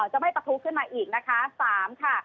จะไม่ประทุขึ้นมาอีกนะคะ๓ค่ะ